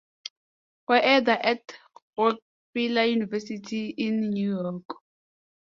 Roeder at Rockefeller University in New York.